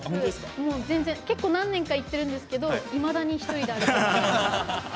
結構、何年か行ってるんですけどいまだに一人で歩けない。